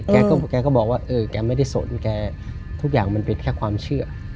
แกก็บอกว่าเออแกไม่ได้สนแกทุกอย่างมันเป็นแค่ความเชื่อ